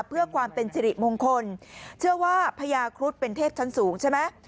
เพื่อความเป็นสิริมงคลเชื่อว่าพญาครุฑเป็นเทพชั้นสูงใช่ไหม